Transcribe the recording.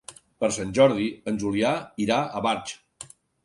Per Sant Jordi en Julià irà a Barx.